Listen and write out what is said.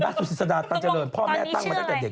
สุศิษดาตันเจริญพ่อแม่ตั้งมาตั้งแต่เด็ก